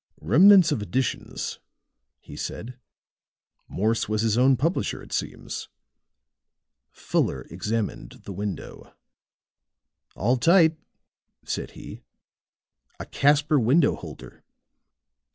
"Remnants of editions," he said. "Morse was his own publisher, it seems." Fuller examined the window. "All tight," said he. "A Caspar window holder."